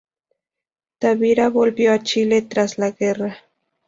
Tavira volvió a Chile tras la guerra.